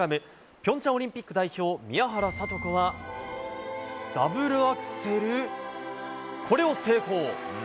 平昌オリンピック代表宮原知子はダブルアクセルこれを成功。